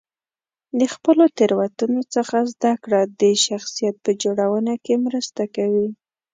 د خپلو تېروتنو څخه زده کړه د شخصیت په جوړونه کې مرسته کوي.